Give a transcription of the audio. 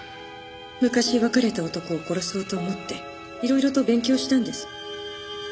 昔別れた男を殺そうと思って色々と勉強したんです。